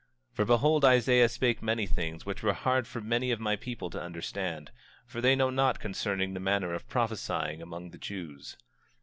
For behold, Isaiah spake many things which were hard for many of my people to understand; for they know not concerning the manner of prophesying among the Jews.